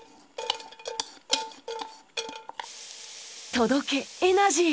届けエナジー！